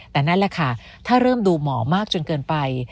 แต่นั่นแหละค่ะถ้าเริ่มดูหมอมากจนเกินไป